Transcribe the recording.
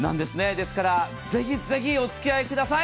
ですからぜひぜひ、おつきあいください。